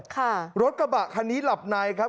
ค่ะรถกระบะคันนี้หลับในครับ